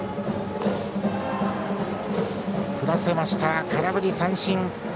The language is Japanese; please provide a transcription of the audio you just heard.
振らせました、空振り三振。